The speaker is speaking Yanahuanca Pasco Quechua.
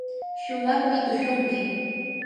shumaqmi tushunki.